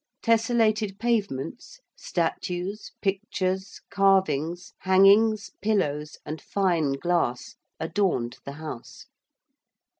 Tesselated pavements, statues, pictures, carvings, hangings, pillows, and fine glass adorned the house.